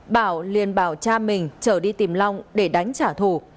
bảo liền bảo cha mình trở đi tìm long để đánh trả thù